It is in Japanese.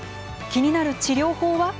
気になる治療法は。